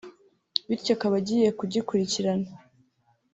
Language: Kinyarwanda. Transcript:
bityo akaba agiye kugikurikirana